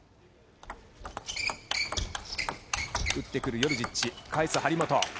打ってくるヨルジッチ、返す張本。